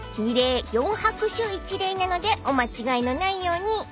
［なのでお間違えのないように］